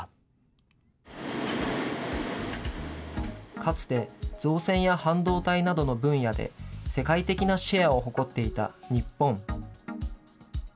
かつて造船や半導体などの分野で、世界的なシェアを誇っていた日本。